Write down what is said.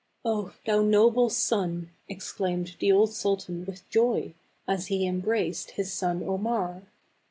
" 0, thou noble son !" exclaimed the old sultan with joy, as he embraced his son Omar.